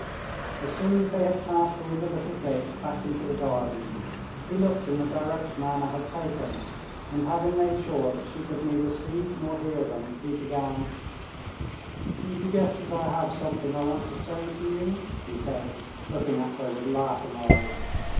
As soon as they had passed through the little gate back into the garden, he looked in the direction Anna had taken, and having made sure that she could neither hear nor see them, he began: "You guess that I have something I want to say to you," he said, looking at her with laughing eyes.